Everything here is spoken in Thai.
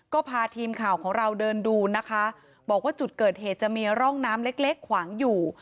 ก็พาทีมข่าวของเราเดินดูนะคะบอกว่าจุดเกิดเหตุจะมีร่องน้ำเล็กเล็กขวางอยู่